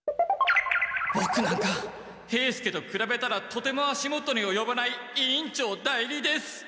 ボクなんか兵助とくらべたらとても足元におよばない委員長代理です。